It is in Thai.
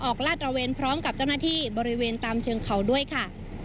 ลาดตระเวนพร้อมกับเจ้าหน้าที่บริเวณตามเชิงเขาด้วยค่ะ